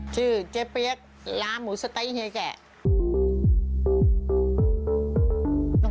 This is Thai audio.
ชื่อเจ๊เปี๊ยกร้านหมูสะเต๊ะเฮียแกะ